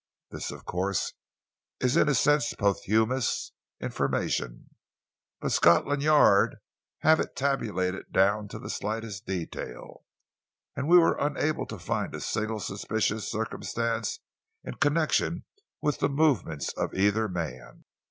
This, of course, is in a sense posthumous information, but Scotland Yard have it tabulated down to the slightest detail, and we are unable to find a single suspicious circumstance in connection with the movements of either man.